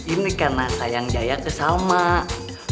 ini karena sayang jaya kesal mak